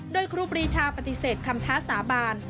โดยครูปรีชาปฏิเสธคำท้าสาบาน